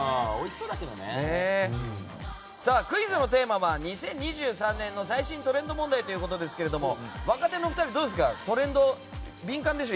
クイズのテーマは２０２３年の最新トレンド問題ということですが若手のお二人、どうですかトレンド敏感でしょ？